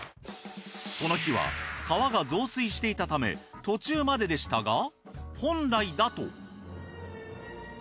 この日は川が増水していたため途中まででしたが本来だと。